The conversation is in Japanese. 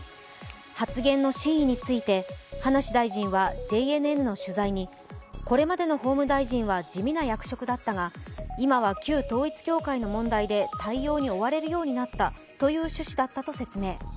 発言の真意について葉梨大臣はＪＮＮの取材にこれまでの法務大臣は地味な役職だったが今は旧統一教会の問題で対応に追われるようになったという趣旨だったと説明。